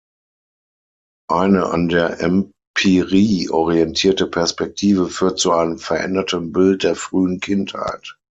Eine an der Empirie orientierte Perspektive führt zu einem veränderten Bild der frühen Kindheit.